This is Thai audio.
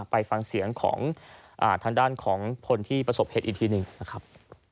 ไปฟังเสียงของทางด้านของคนที่ประสบเหตุอีกทีหนึ่งนะครับ